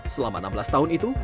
selama enam belas tahun itu